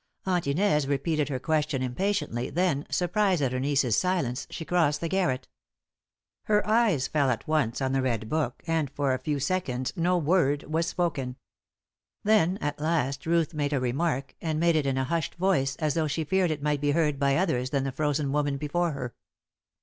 Aunt Inez repeated her question impatiently then, surprised at her niece's silence, she crossed the garret. Her eyes fell at once on the red book, and for a few seconds no word was spoken. Then at last Ruth made a remark, and made it in a hushed voice, as though she feared it might be heard by others than the frozen woman before her.